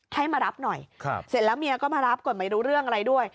ให้มารับหน่อยเสร็จแล้วเมียก็มารับก่อนไม่รู้เรื่องอะไรด้วย